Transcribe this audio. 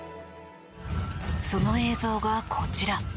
その映像がこちら。